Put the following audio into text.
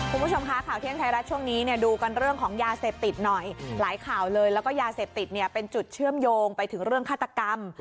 คุณผู้ชมคะข่าวเที่ยงไทยรัฐช่วงนี้เนี่ยดูกันเรื่องของยาเสพติดหน่อยหลายข่าวเลยแล้วก็ยาเสพติดเนี่ยเป็นจุดเชื่อมโยงไปถึงเรื่องฆาตกรรม